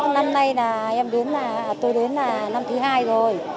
năm nay là em đến là tôi đến là năm thứ hai rồi